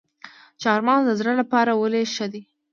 چهارمغز د زړه لپاره ولې ښه دي؟